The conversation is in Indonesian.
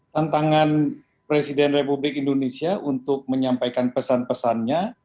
tantangan presiden republik indonesia untuk menyampaikan pesan pesannya